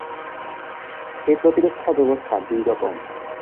এই প্রতিরক্ষা ব্যবস্থা দুই রকম।